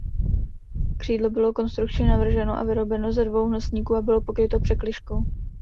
Křídlo bylo konstrukčně navrženo a vyrobeno ze dvou nosníků a bylo pokryto překližkou.